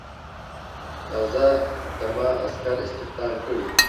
تازه دمه عسکر استخدام کړي.